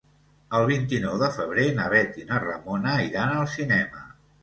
El vint-i-nou de febrer na Bet i na Ramona iran al cinema.